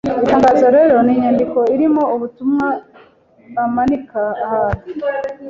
Itangazo rero ni inyandiko irimo ubutumwa bamanika ahantu,